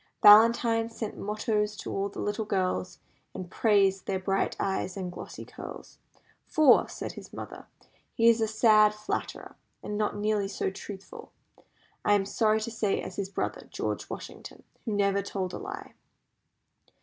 Valentine sent mottoes to all the little girls, and praised their bright eyes and glossy curls. "For," said his mother, "he is a sad flatterer, and not nearly so truthful, I am sorry to say, as his brother, George Washington, who never told a lie."